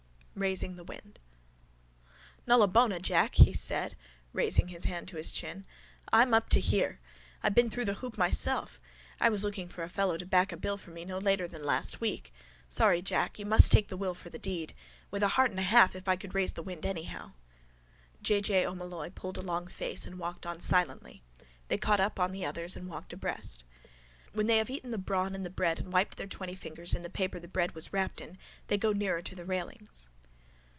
RAISING THE WIND —Nulla bona, Jack, he said, raising his hand to his chin. I'm up to here. I've been through the hoop myself. I was looking for a fellow to back a bill for me no later than last week. Sorry, Jack. You must take the will for the deed. With a heart and a half if I could raise the wind anyhow. J. J. O'Molloy pulled a long face and walked on silently. They caught up on the others and walked abreast. —When they have eaten the brawn and the bread and wiped their twenty fingers in the paper the bread was wrapped in they go nearer to the railings.